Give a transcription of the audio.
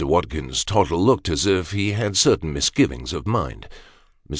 Watkins Tottle looked as if he had certain misgivings of mind. Mr.